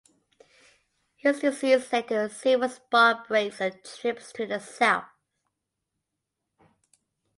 His disease led to several spa breaks and trips to the south.